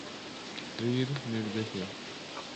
শ্রীর নির্দেশে.